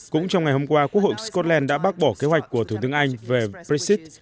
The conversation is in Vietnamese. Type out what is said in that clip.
cũng trong ngày hôm qua quốc hội scotland đã bác bỏ kế hoạch của thủ tướng anh về brexit